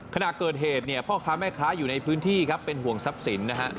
ขณะเกิดเหตุเนี่ยพ่อค้าแม่ค้าอยู่ในพื้นที่ครับเป็นห่วงทรัพย์สินนะฮะ